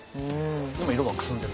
でも色はくすんでる。